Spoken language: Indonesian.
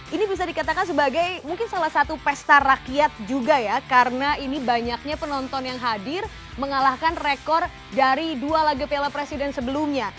ini bisa dikatakan sebagai mungkin salah satu pesta rakyat juga ya karena ini banyaknya penonton yang hadir mengalahkan rekor dari dua laga piala presiden sebelumnya